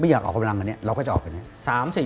ไม่อยากออกไปรังกันเนี่ยเราก็จะออกไปรังกันเนี่ย